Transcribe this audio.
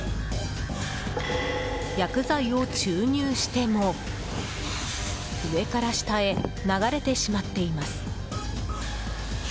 薬剤を注入しても上から下へ流れてしまっています。